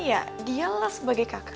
ya dialah sebagai kakak